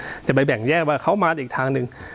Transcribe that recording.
จะไปแบ่งแยกว่าเขามาอีกทางหนึ่ง